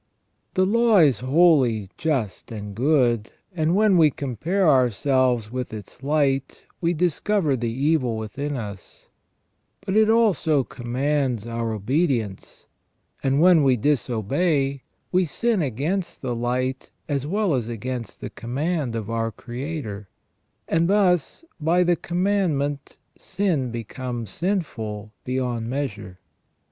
The law is holy, just, and good, and when we compare ourselves with its light we dis cover the evil within us; but it also commands our obedience, and when we disobey, we sin against the light as well as against the command of our Creator, and thus, by the command ment, sin becomes sinful beyond measure.